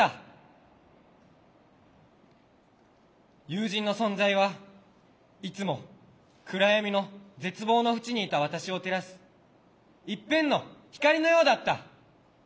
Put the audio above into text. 友人の存在はいつも暗闇の絶望のふちにいた私を照らす一片の光のようだった。